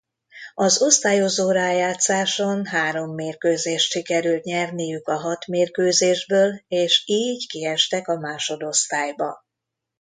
Az osztályozó rájátszáson három mérkőzést sikerült nyerniük a hat-mérkőzésből és így kiestek a másodosztályba.